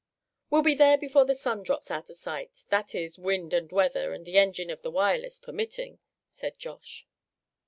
"We'll be there before the sun drops out of sight; that is, wind and weather, and the engine of the Wireless permitting," said Josh.